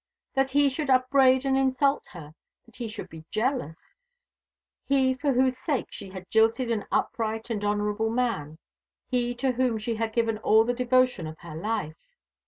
That he should upbraid and insult her, that he should be jealous he for whose sake she had jilted an upright and honourable man, he to whom she had given all the devotion of her life!